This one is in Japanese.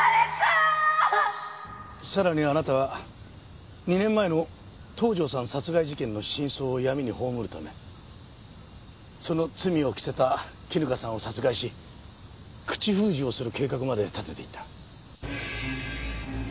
さらにあなたは２年前の東条さん殺害事件の真相を闇に葬るためその罪を着せた絹香さんを殺害し口封じをする計画まで立てていた。